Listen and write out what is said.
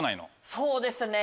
そうですね。